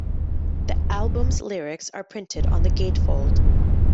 The album's lyrics are printed on the gatefold.